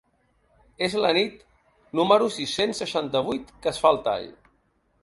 És la nit número sis-cents seixanta-vuit que es fa el tall.